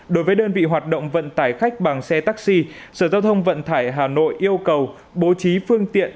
đối với đơn vị hoạt động vận tải khách bằng xe taxi sở giao thông vận tải hà nội yêu cầu bố trí phương tiện